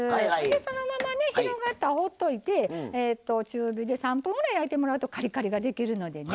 そのまま広がったら置いておいて中火で３分ぐらい焼いてもらうとカリカリができるので。